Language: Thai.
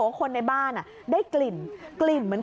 ป้าของน้องธันวาผู้ชมข่าวอ่อน